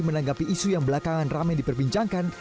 menanggapi isu yang belakangan ramai diperbincangkan